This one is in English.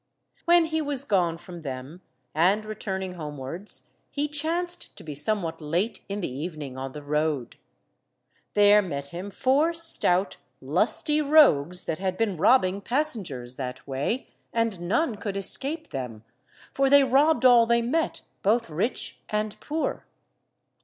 When he was gone from them, and returning homewards, he chanced to be somewhat late in the evening on the road. There met him four stout, lusty rogues that had been robbing passengers that way, and none could escape them, for they robbed all they met, both rich and poor.